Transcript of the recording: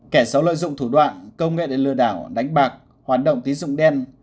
kẻ xấu lợi dụng thủ đoạn công nghệ để lừa đảo đánh bạc hoạt động tín dụng đen